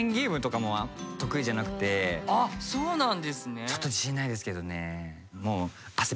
あっそうなんですね。